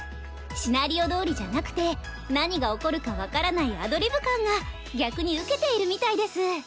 シナリオどおりじゃなくて何が起こるか分からないアドリブ感が逆にウケているみたいです。